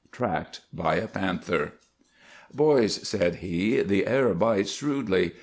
TRACKED BY A PANTHER. "Boys," said he, "the air bites shrewdly.